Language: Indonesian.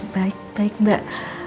baik baik mbak